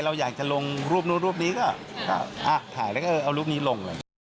เราอยากจะลงรูปนู้นรูปนี้ก็ถ่ายแล้วก็เอารูปนี้ลงเลย